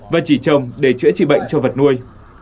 và chỉ trồng để chữa trị bệnh cho vật nuôi